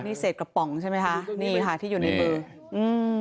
นี่เศษกระป๋องใช่ไหมคะนี่ค่ะที่อยู่ในมืออืม